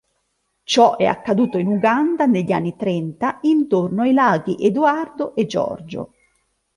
Ciò è accaduto in Uganda negli anni trenta, intorno ai laghi Edoardo e Giorgio.